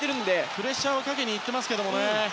プレッシャーはかけにいってますね。